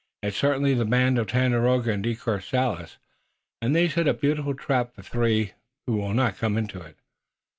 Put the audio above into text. It's certainly the band of Tandakora and De Courcelles, and they've set a beautiful trap for three who will not come into it."